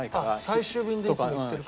最終便でいつも行ってるか。